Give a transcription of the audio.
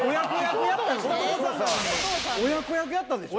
親子役やったんでしょ？